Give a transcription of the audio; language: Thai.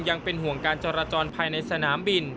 ยังเป็นห่วงการจรจรภายในสนามบิน